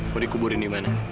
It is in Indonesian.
mau dikuburin dimana